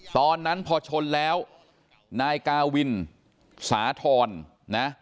ตอนนั้นพอชนแล้วนายกาวินสาธรณ์นะ